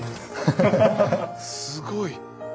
すごい。